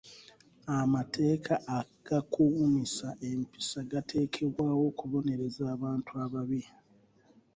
Amateeka agakuumisa empisa gatekebwawo okubonereza abantu ababi.